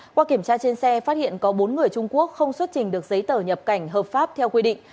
qua kiểm tra trên xe phát hiện có bốn người trung quốc không xuất trình được giấy tờ nhập cảnh hợp pháp theo quy định